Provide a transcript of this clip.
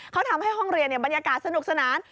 เขาทำให้ห้องเรียนบรรยากาศสนุกสนาน